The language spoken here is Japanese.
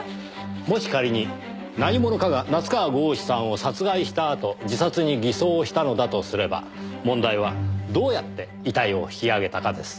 もし仮に何者かが夏河郷士さんを殺害したあと自殺に偽装したのだとすれば問題はどうやって遺体を引き上げたかです。